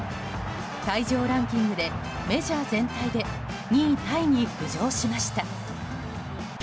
退場ランキングでメジャー全体で２位タイに浮上しました。